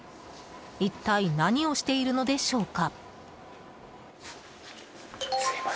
一体何をしているのでしょうか。